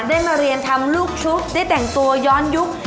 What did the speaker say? ได้มาเรียนทำลูกชุบได้แต่งตัวย้อนยุค